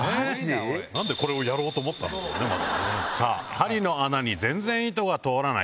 針の穴に全然糸が通らない。